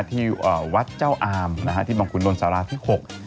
ที่วัดเจ้าอามที่บคุณลนต์ศาลาที่๖